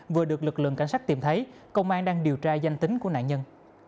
vừa được lực lượng cảnh sát tìm thấy công an đang điều tra danh tính của nạn nhân